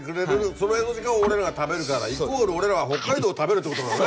そのエゾジカを俺らが食べるからイコール俺らは北海道を食べるってことなんだね。